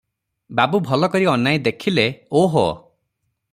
ବାବୁ ଭଲ କରି ଅନାଇ ଦେଖିଲେ, ‘ଓହୋ!